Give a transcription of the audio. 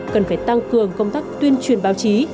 cần phải tăng cường công tác tuyên truyền báo chí